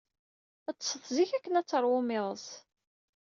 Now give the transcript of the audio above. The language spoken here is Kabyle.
Ḍḍset zik akken ad teṛwum iḍes.